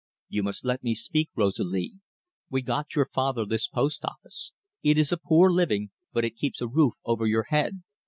"You must let me speak, Rosalie. We got your father this post office. It is a poor living, but it keeps a roof over your head.